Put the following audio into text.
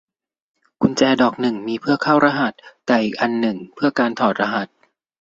กุญแจดอกหนึ่งมีเพื่อเข้ารหัส แต่อีกอันหนึ่งเพื่อการถอดรหัส